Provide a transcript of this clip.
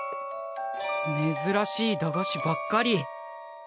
めずらしい駄菓子ばっかり。